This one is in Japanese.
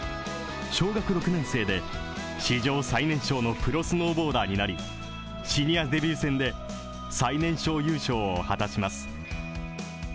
小学６年生で史上最年少のプロスノーボーダーになり、シニアデビュー戦で最年少優勝を果たします。